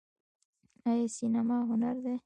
آیا سینما هنر دی؟